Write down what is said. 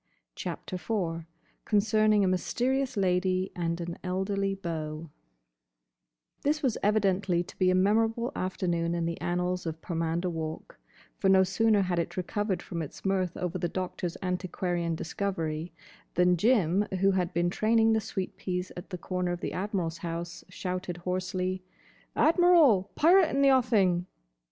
*CHAPTER IV* *CONCERNING A MYSTERIOUS LADY, AND AN ELDERLY BEAU* [Illustration: Chapter IV headpiece] This was evidently to be a memorable afternoon in the annals of Pomander Walk; for no sooner had it recovered from its mirth over the Doctor's antiquarian discovery than Jim, who had been training the sweet peas at the corner of the Admiral's house, shouted hoarsely: "Admiral! Pirate in the offing!"